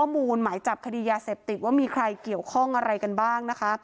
หมายจับคดียาเสพติดว่ามีใครเกี่ยวข้องอะไรกันบ้างนะคะ